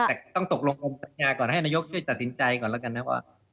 แต่ต้องตกลงสัญญาก่อนให้นายกช่วยตัดสินใจก่อนแล้วกันนะว่า